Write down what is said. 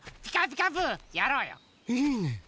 いいね！